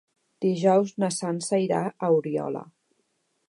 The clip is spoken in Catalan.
Dijous na Sança irà a Oriola.